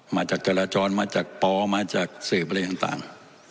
มาจากจราจรมาจากปมาจากสืบอะไรต่าง